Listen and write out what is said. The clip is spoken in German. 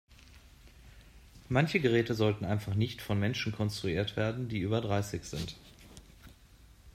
Manche Geräte sollten einfach nicht von Menschen konstruiert werden, die über dreißig sind.